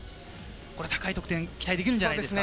高い得点が期待できるんじゃないですか？